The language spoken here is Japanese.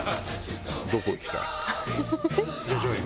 どこ行きたい？